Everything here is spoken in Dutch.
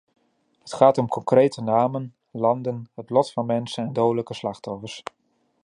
Het gaat om concrete namen, landen, het lot van mensen en dodelijke slachtoffers.